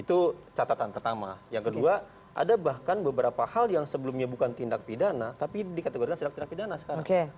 itu catatan pertama yang kedua ada bahkan beberapa hal yang sebelumnya bukan tindak pidana tapi dikategorikan tindak pidana sekarang